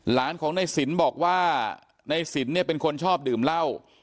หลานของในสินบอกว่าในสินเนี่ยเป็นคนชอบดื่มเหล้า